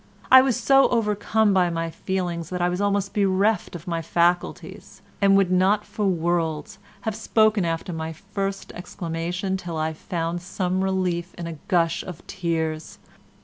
I was so overcome by my feelings that I was almost bereft of my faculties, and would not for worlds have spoken after my first exclamation till I found some relief in a gush of tears.